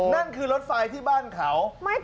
นั่นคือรถไฟที่บ้านเขา